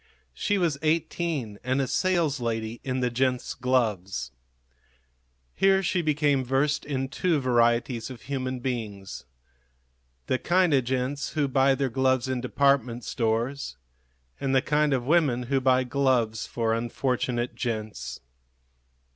She was eighteen and a saleslady in the gents' gloves. Here she became versed in two varieties of human beings the kind of gents who buy their gloves in department stores and the kind of women who buy gloves for unfortunate gents.